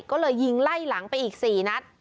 ก็เลยยิงไล่หลังไปอีก๔นัด